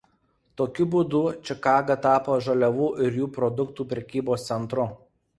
Tokiu būdu Čikaga tapo žaliavų ir jų produktų prekybos centru.